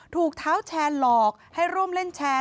ถูกเท้าแชร์หลอกให้ร่วมเล่นแชร์